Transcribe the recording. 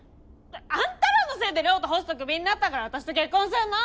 あんたらのせいで麗雄斗ホストクビになったから私と結婚すんの！